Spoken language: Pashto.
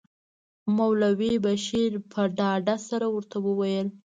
مولوي بشیر په ډاډ سره ورته وویل.